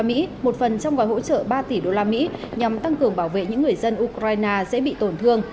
một phần trong gọi hỗ trợ ba tỷ usd nhằm tăng cường bảo vệ những người dân ukraine dễ bị tổn thương